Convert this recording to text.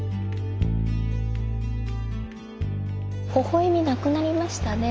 ほほ笑みなくなりましたね。